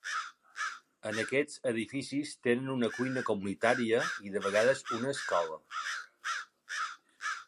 En aquests edificis tenen una cuina comunitària i de vegades una escola.